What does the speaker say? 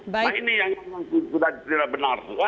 nah ini yang memang sudah tidak benar